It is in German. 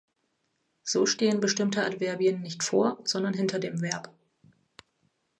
So stehen bestimmte Adverbien nicht vor, sondern hinter dem Verb.